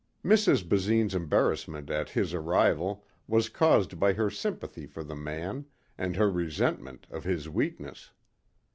Mrs. Basine's embarassment at his arrival was caused by her sympathy for the man and her resentment of his weakness.